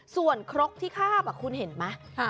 ส่วนครกที่คาบคุณเห็นไหม